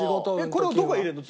これをどこへ入れるの？